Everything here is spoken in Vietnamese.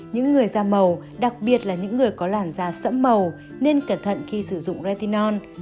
những người da màu đặc biệt là những người có làn da sẫm màu nên cẩn thận khi sử dụng retion